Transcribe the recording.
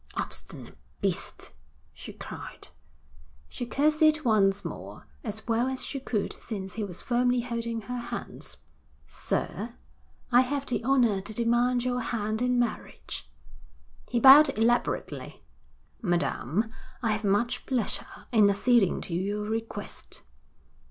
'Obstinate beast,' she cried. She curtsied once more, as well as she could since he was firmly holding her hands. 'Sir, I have the honour to demand your hand in marriage.' He bowed elaborately. 'Madam, I have much pleasure in acceding to your request.'